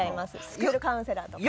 スクールカウンセラーとか。